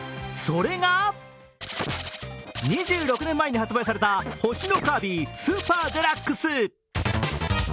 ２６年前に発売された「星のカービィスーパーデラックス」。